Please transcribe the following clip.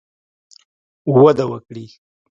وده وکړي